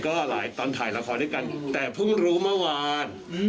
ก็หลายตอนถ่ายละครด้วยกันแต่เพิ่งรู้เมื่อวาน